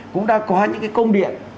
cũng đã có những cái công điện